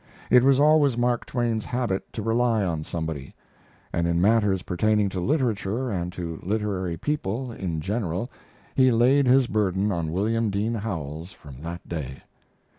It was always Mark Twain's habit to rely on somebody, and in matters pertaining to literature and to literary people in general he laid his burden on William Dean Howells from that day.